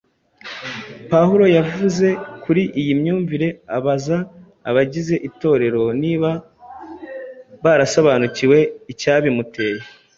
Pawulo yavuze kuri iyi myumvire abaza abagize Itorero niba barasobanukiwe n’icyabimuteye.